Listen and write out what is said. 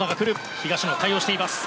東野、対応していきます。